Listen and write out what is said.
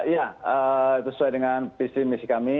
ya itu sesuai dengan visi misi kami